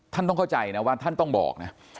ท่านต้องเข้าใจนะว่าท่านต้องบอกนะ